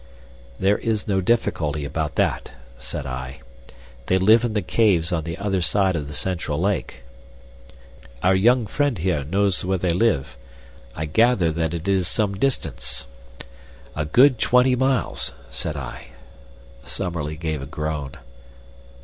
"There is no difficulty about that," said I. "They live in the caves on the other side of the central lake." "Our young friend here knows where they live. I gather that it is some distance." "A good twenty miles," said I. Summerlee gave a groan.